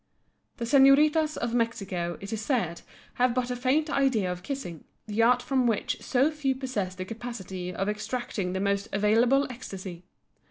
The senoritas of Mexico, it is said, have but a faint idea of kissing, that art from which so few possess the capacity of extracting the most available ecstasy.